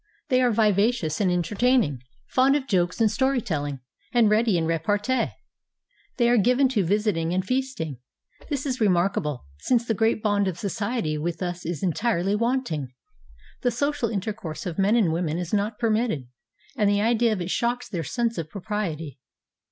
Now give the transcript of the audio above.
They are vivacious and entertaining; fond of jokes and story telling, and ready! in repartee. They are much given to visiting and feasting. This is remarkable, since the great bond of society with us is entirely wanting: the social intercourse of men and women is not permitted, and the idea of it shocks their sense of propriety.